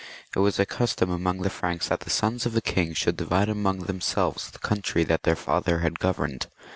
It was a custom among the Franks that the sons of a king should divide among themselves the coimtry that their father had governed.